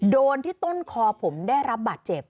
โดนที่ต้นคอผมได้รับบาดเจ็บ